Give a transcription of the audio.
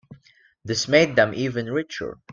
This made them even richer.